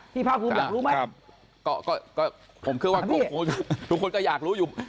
พี่พ่าผมอยากรู้ไหมครับก็ก็ก็ผมคิดว่าทุกคนก็อยากรู้อยู่